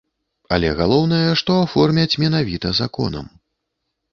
Але галоўнае, што аформяць менавіта законам.